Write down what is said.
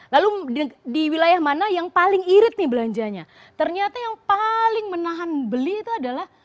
lalu di wilayah mana yang paling irit nih belanjanya ternyata yang paling menahan beli itu adalah